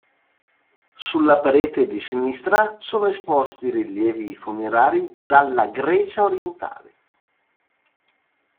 Sulla parete di sinistra sono esposti rilievi funerari dalla Grecia orientale.